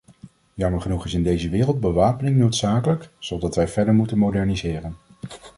Jammer genoeg is in deze wereld bewapening noodzakelijk, zodat wij verder moeten moderniseren.